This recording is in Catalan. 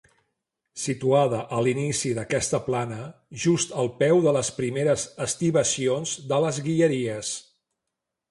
Situada a l'inici d'aquesta plana, just al peu de les primeres estivacions de les Guilleries.